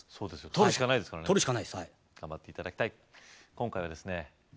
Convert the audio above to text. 取るしかないですから取るしかないです頑張って頂きたい今回はですね